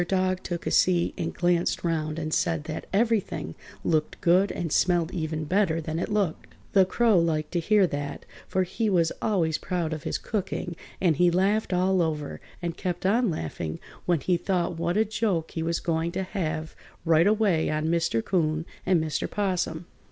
Dog took a seat and glanced round and said that everything looked good and smelled even better than it looked. The Crow liked to hear that, for he was always proud of his cooking and he laughed all over, and kept on laughing when he thought what a joke he was going to have right away on Mr. 'Coon and Mr. 'Possum.